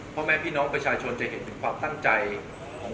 พ่อแม่พี่น้องประชาชนจะเห็นถึงความตั้งใจของ